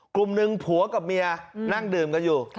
กลุ่มหนึ่งผัวกับเมียนั่งดื่มกันอยู่